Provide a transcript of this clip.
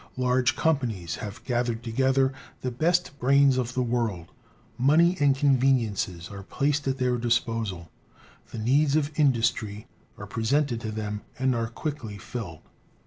Large companies have gathered together the best brains of the world, money and conveniences are placed at their disposal, the needs of industry are presented to them and are quickly filled.